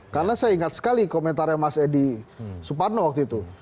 karena saya ingat sekali komentarnya mas edi suparno waktu itu